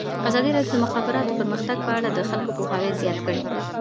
ازادي راډیو د د مخابراتو پرمختګ په اړه د خلکو پوهاوی زیات کړی.